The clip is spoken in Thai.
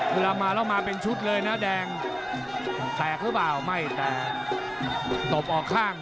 เวลามาแล้วมาเป็นชุดเลยนะแดงแตกหรือเปล่าไม่แตกตบออกข้าง